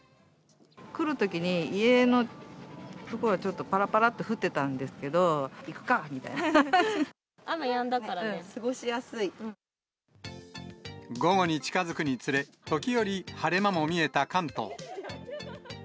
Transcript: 来るときに、家の所はちょっとぱらぱらっと降ってたんですけど、行くかみたい雨やんだからね、過ごしやす午後に近づくにつれ、時折、晴れ間も見えた関東。